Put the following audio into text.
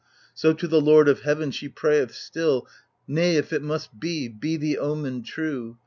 So to the Lord of Heaven she pray eth stilly ^^ Nay^ if it must be^ be the omen true!